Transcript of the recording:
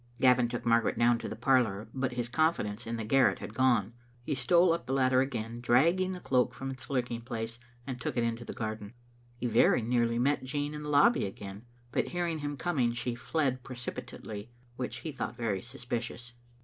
Gavin took Margaret down to the parlour, but his confidence in the garret had gone. He stole up the ladder again, dragged the cloak from its lurking place, and tool? it into the garden. He very nearly met Jean in the lobby again, but hearing him coming she fled precipitately, which he thought very suspicious.